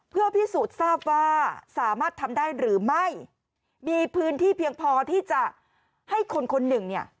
เพื่อพิสูจน์ทราบว่าสามารถทำได้หรือไม่มีพื้นที่เพียงพอที่จะให้คนคนหนึ่งเนี่ย